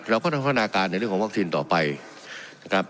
เราก็ต้องพัฒนาการในเรื่องของวัคซีนต่อไปนะครับ